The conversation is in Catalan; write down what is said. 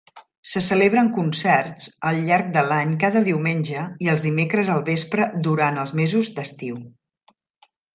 Se celebren concerts al llarg de l'any cada diumenge i els dimecres al vespre durant els mesos d'estiu.